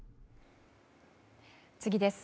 次です。